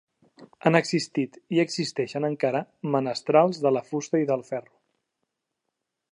Han existit, i existeixen encara, menestrals de la fusta i del ferro.